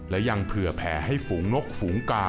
และยังเผื่อแผลให้ฝูงนกฝูงกา